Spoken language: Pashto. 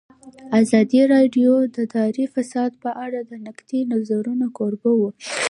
ازادي راډیو د اداري فساد په اړه د نقدي نظرونو کوربه وه.